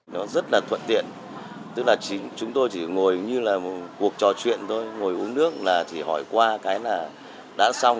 nó rất là thuận tiện tức là chúng tôi chỉ ngồi như là một cuộc trò chuyện thôi ngồi uống nước là thì hỏi qua cái là đã xong